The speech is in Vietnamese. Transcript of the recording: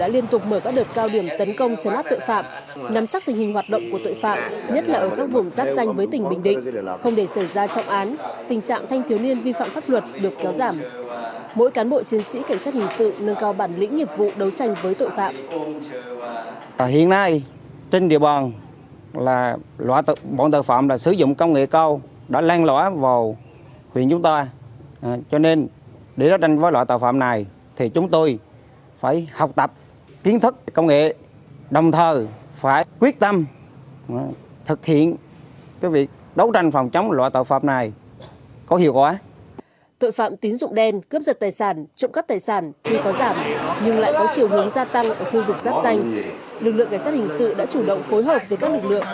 lực lượng cảnh sát hình sự đã chủ động phối hợp với các lực lượng